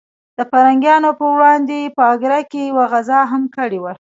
د پرنګیانو پر وړاندې په اګره کې یوه غزا هم کړې وه.